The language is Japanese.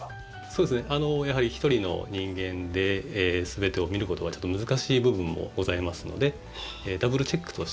そうですねやはり１人の人間で全てを見ることはちょっと難しい部分もございますのでというダブルチェック体制に。